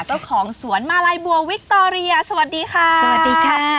เจ้าของสวนมาลัยบัววิคโตเรียสวัสดีค่ะ